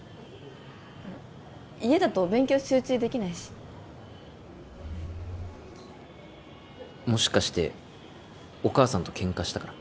家だと勉強集中できないしもしかしてお母さんとケンカしたから？